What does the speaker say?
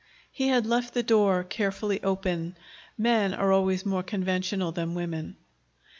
He had left the door carefully open. Men are always more conventional than women.